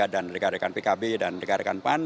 dan rekan rekan pkb dan rekan rekan pan